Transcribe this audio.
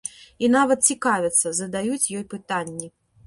І нават цікавяцца, задаюць ёй пытанні.